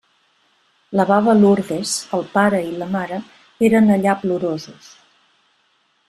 La baba Lourdes, el pare i la mare eren allà plorosos.